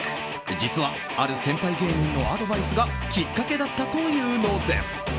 実は、ある先輩芸人のアドバイスがきっかけだったというのです。